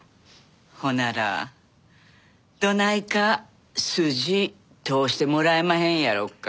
ほならどないか筋通してもらえまへんやろか？